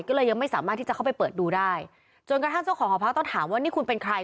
ก็เลยยังไม่สามารถที่จะเข้าไปเปิดดูได้จนกระทั่งเจ้าของหอพักต้องถามว่านี่คุณเป็นใคร